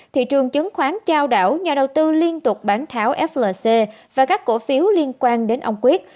thị trường chứng khoán trao đảo nhà đầu tư liên tục bán tháo flc và các cổ phiếu liên quan đến ông quyết